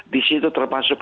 di situ termasuk